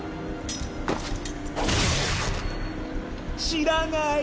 知らない。